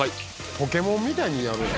「ポケモンみたいにやる」